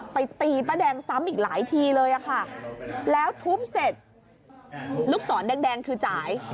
ตีป้าแดงซ้ำอีกหลายทีเลยค่ะแล้วทุบเสร็จลูกศรแดงคือจ่าย